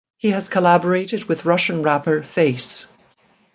He has collaborated with Russian rapper Face.